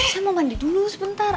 saya mau mandi dulu sebentar